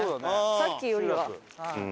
さっきよりは。